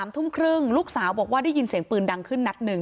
ทุ่มครึ่งลูกสาวบอกว่าได้ยินเสียงปืนดังขึ้นนัดหนึ่ง